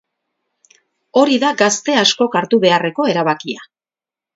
Hori da gazte askok hartu beharreko erabakia.